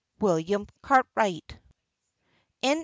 _ WILLIAM CARTWRIGHT (1635?)